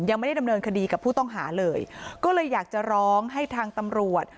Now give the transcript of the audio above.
ยังไม่ได้ดำเนินคดีกับผู้ต้องหาเลยก็เลยอยากจะร้องให้ทางตำรวจ